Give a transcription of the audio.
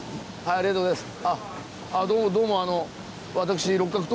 ありがとうございます。